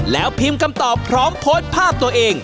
แล้วพิมพ์คำตอบพร้อมโพสต์ภาพตัวเอง